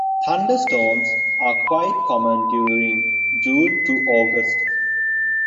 Thunderstorms are quite common during June to August.